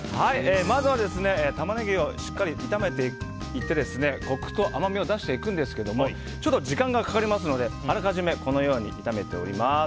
まずはタマネギをしっかり炒めていってコクと甘みを出していくのですが時間がかかりますのであらかじめこのように炒めております。